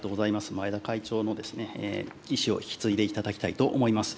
前田会長の意思を引き継いでいただきたいと思います。